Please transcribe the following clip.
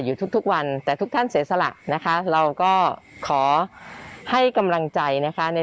อยู่กันก็สองสามดีกว่าเพราะในมองไม่หมดเลย